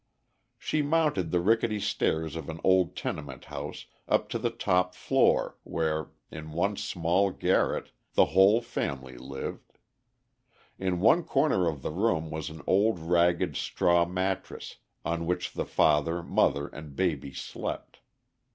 She mounted the rickety stairs of an old tenement house, up to the top floor, where, in one small garret, the whole family lived. In one corner of the room was an old ragged straw mattress, on which the father, mother, and baby slept.